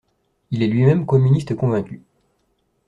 Il est lui-même communiste convaincu.